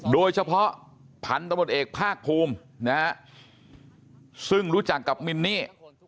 โดยเฉพาะผันตมติเอกภาคภูมิซึ่งรู้จักกับมินนี่